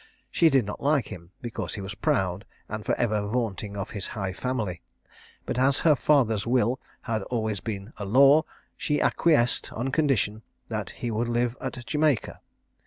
She did not like him, because he was proud, and for ever vaunting of his high family; but as her father's will had always been a law, she acquiesced on condition that he would live at Jamaica.